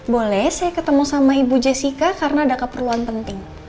boleh saya ketemu sama ibu jessica karena ada keperluan penting